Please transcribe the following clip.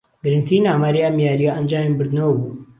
گرنگترین ئاماری ئهم یارییه ئهنجامی بردنهوه بوو